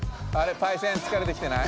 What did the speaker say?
パイセンつかれてきてない？